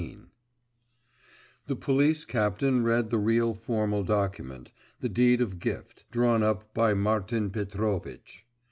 XIII The police captain read the real formal document, the deed of gift, drawn up by Martin Petrovitch.